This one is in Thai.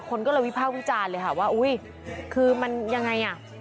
คนก็เลยวิภาควิจารณ์เลยค่ะว่าอุ้ยคือมันยังไงอ่ะ